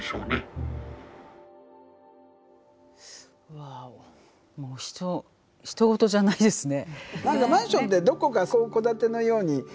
わあひと事じゃないですね。